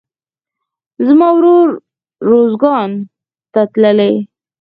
زما ورور روزګان ته تللى دئ.